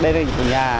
đây là của nhà